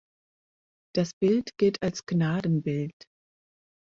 Das Bild gilt als Gnadenbild.